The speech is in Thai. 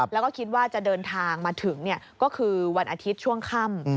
แล้วก็คิดว่าจะเดินทางมาถึงก็คือวันอาทิตย์ช่วงค่ำ